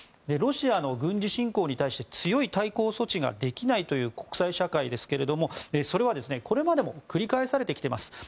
ロシアの軍事侵攻に対して強い対抗措置ができない国際社会ですけどそれは、これまでも繰り返されてきています。